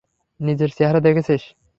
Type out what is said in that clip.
নিজের চেহারা দেখেছিস?